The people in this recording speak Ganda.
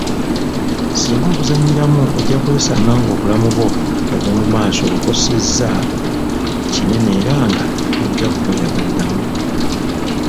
Singa obuzannyiramu ojja kwesanga ng'obulamu bwo obw'omu maaso obukosezza kinene era nga tojja ku bweyagaliramu.